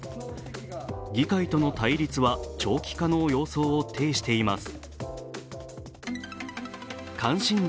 議会との対立は長期化の様相を呈しています。